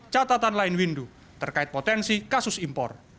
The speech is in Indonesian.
catatan lain windu terkait potensi kasus impor